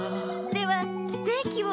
ではステーキを。